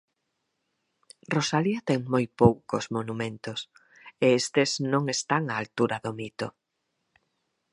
Rosalía ten moi poucos monumentos e estes non están á altura do mito.